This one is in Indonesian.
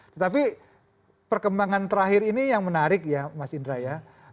tetapi perkembangan terakhir ini yang menarik ya mas indra ya